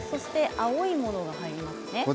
青いものが入りますね。